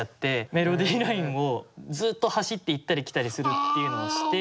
メロディーラインをずっと走って行ったり来たりするっていうのをして。